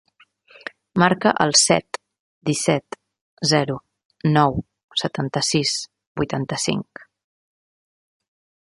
Marca el set, disset, zero, nou, setanta-sis, vuitanta-cinc.